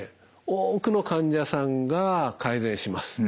多くの患者さんが改善します。